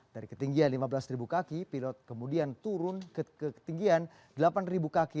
dari ketinggian lima belas kaki pilot kemudian turun ke ketinggian delapan kaki